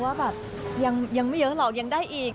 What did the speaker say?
ว่าแบบยังไม่เยอะหรอกยังได้อีก